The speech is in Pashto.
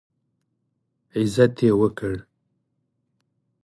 عزت یې وکړ.